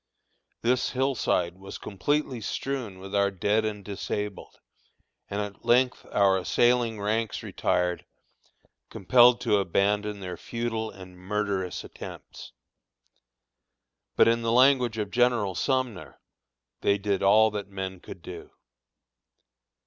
This hillside was completely strewn with our dead and disabled, and at length our assailing ranks retired, compelled to abandon their futile and murderous attempts. But in the language of General Sumner, "they did all that men could do."